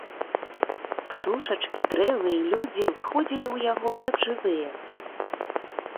Птушачкі, дрэвы і людзі выходзілі ў яго, як жывыя.